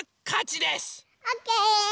オッケー！